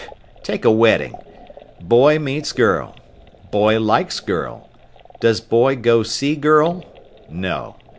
Take a wedding. Boy meets girl. Boy likes girl. Does boy go see girl? No.